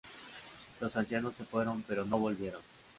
Los ancianos se fueron pero no volvieron.